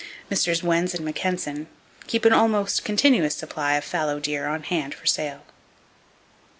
Messrs. Wenz & Mackensen, keep an almost continuous supply of fallow deer on hand for sale.